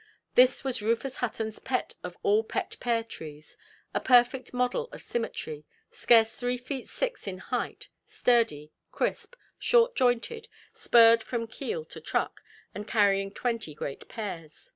This was Rufus Huttonʼs pet of all pet pear–trees, a perfect model of symmetry, scarce three feet six in height, sturdy, crisp, short–jointed, spurred from keel to truck, and carrying twenty great pears.